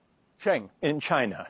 はい。